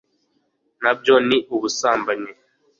na byo ni ubusambanyi